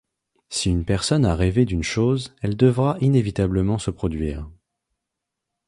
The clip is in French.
Si une personne a rêvé d'une chose, elle devra inévitablement se produire.